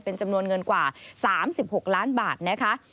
เป็นจำนวนเงินกว่า๓๖ล้านบาทนะคะ